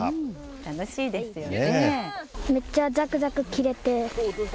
楽しいですよね。